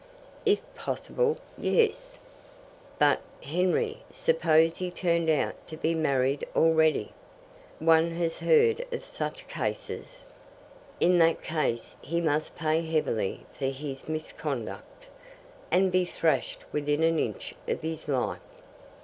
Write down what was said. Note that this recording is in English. "If possible. Yes." "But, Henry, suppose he turned out to be married already? One has heard of such cases." "In that case he must pay heavily for his misconduct, and be thrashed within an inch of his life."